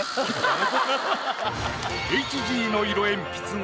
ＨＧの色鉛筆画。